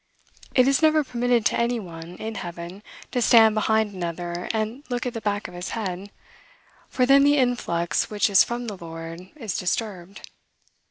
"It is never permitted to any one, in heaven, to stand behind another and look at the back of his head; for then the influx which is from the Lord is disturbed."